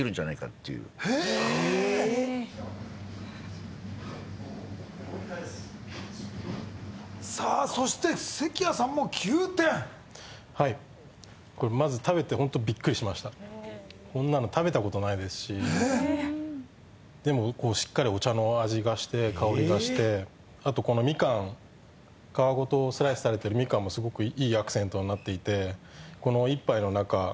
へえーさあそして関谷さんも９点はいまず食べて本当こんなの食べたことないですしえっでもこうしっかりお茶の味がして香りがしてあとこのみかん皮ごとスライスされてるみかんもすごくいいアクセントになっていてこの一杯の中プラス